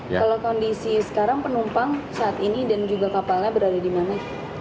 kalau kondisi sekarang penumpang saat ini dan juga kapalnya berada di mana